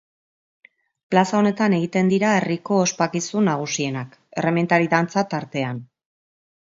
Plaza honetan egiten dira herriko ospakizun nagusienak, errementari dantza tartean.